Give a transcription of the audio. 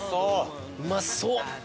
うまそう！